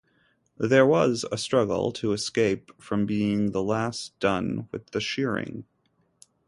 There was a struggle to escape from being the last done with the shearing.